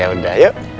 ya udah yuk